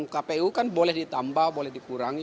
menurut peraturan kpu kan boleh ditambah boleh dikurangi